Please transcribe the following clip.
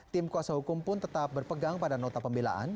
tim kuasa hukum pun tetap berpegang pada nota pembelaan